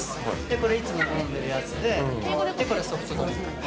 これがいつも飲んでるやつで、これ、ソフトドリンク。